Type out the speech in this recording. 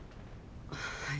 はい。